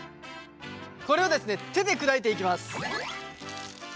これをですね手で砕いていきます。